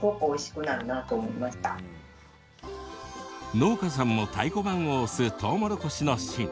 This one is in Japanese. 農家さんも太鼓判を押すとうもろこしの芯。